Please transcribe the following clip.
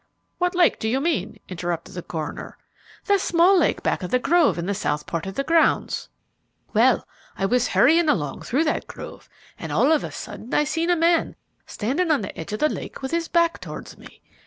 "What lake do you mean?" interrupted the coroner. "The small lake back of the grove in the south part of the grounds. Well, I was hurrying along through that grove, and all of a sudden I seen a man standing on the edge of the lake with his back towards me.